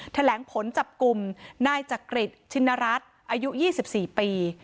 แถลงผลจับกลุ่มนายจักริจชินรัฐอายุ๒๔ปี